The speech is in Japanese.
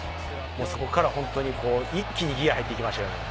そこから本当に一気にギア入ってきました。